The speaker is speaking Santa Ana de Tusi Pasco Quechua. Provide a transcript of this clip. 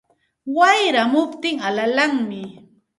Wayramuptin alalanmi